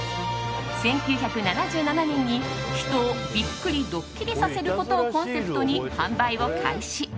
１９７７年に、人をビックリ・ドッキリさせることをコンセプトに販売を開始。